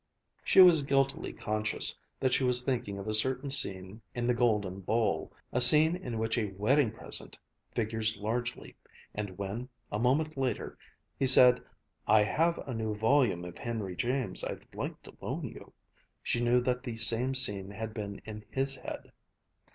She was guiltily conscious that she was thinking of a certain scene in "The Golden Bowl," a scene in which a wedding present figures largely; and when, a moment later, he said, "I have a new volume of Henry James I'd like to loan you," she knew that the same scene had been in his head.